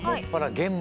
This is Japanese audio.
玄米。